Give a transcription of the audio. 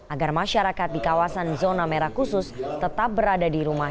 agar masyarakat di kawasan zona merah khusus tetap berada di rumah